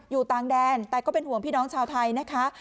อยู่ต่างแดนแต่ก็เป็นห่วงพี่น้องชาวไทยนะคะ